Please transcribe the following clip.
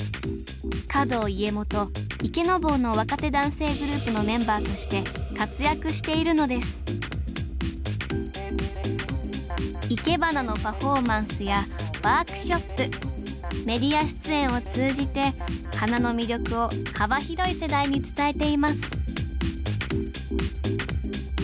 華道家元「池坊」の若手男性グループのメンバーとして活躍しているのですいけばなのパフォーマンスやワークショップメディア出演を通じて花の魅力を幅広い世代に伝えています